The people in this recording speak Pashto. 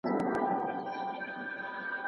د چینو اوبه بهیږي تکې سپینې